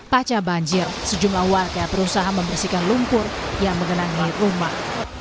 pasca banjir sejumlah warga berusaha membersihkan lumpur yang mengenangi rumah